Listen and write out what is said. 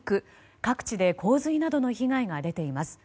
各地で洪水などの被害が出ています。